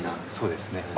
そうですね。